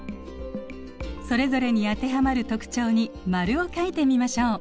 それぞれに当てはまる特徴に〇を書いてみましょう。